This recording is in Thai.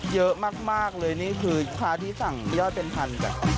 เยอะมากเลยนี่คือค้าที่สั่งยอดเป็นพัน